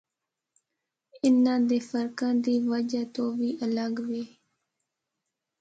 انہاں دے فرقاں دی وجہ توں وی الگ وے۔